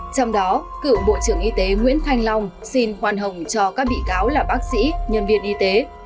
trong đó cựu bộ trưởng y tế nguyễn thanh long xin hoàn hồng cho các bị cáo là bác sĩ nhân viên y tế